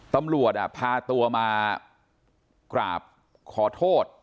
ตำรวจพาตัวมากราบขอโทษ